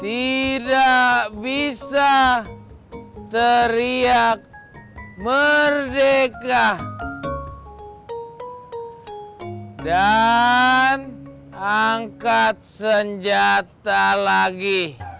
tidak bisa teriak merdeka dan angkat senjata lagi